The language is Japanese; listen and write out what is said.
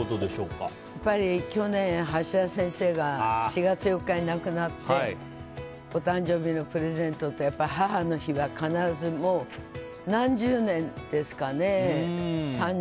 去年、橋田先生が４月４日に亡くなってお誕生日のプレゼントとやっぱり、母の日は必ず、何十年ですかね。